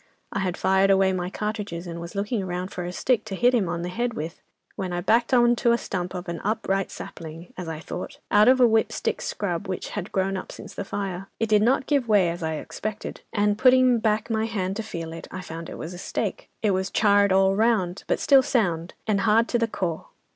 I had fired away my cartridges, and was looking round for a stick to hit him on the head with, when I backed on to a stump of an upright sapling, as I thought, out of a 'whip stick scrub,' which had grown up since the fire. "It did not give way, as I expected, and putting back my hand to feel it, I found it was a stake! It was charred all round, but still sound, and hard to the core.